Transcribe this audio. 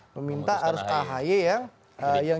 meminta harus ahy yang